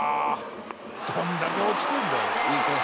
どれだけ落ちてんだよ」